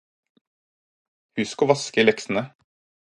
Husk å vaske leksene.